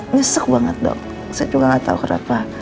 ngesek banget dok saya juga nggak tahu kenapa